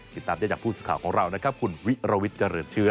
ติดตามได้จากผู้สื่อข่าวของเรานะครับคุณวิรวิทย์เจริญเชื้อ